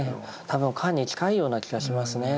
多分「観」に近いような気がしますね。